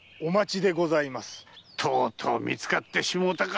とうとう見つかってしもうたか。